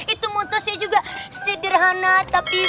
itu montosnya juga sederhana tapi mahal